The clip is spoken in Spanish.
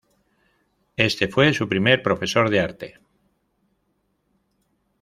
Este fue su primer profesor de arte.